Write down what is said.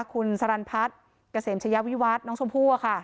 คุณสรรพัฒน์เกษมชายวิวัฒน์น้องชมพู่อะค่ะ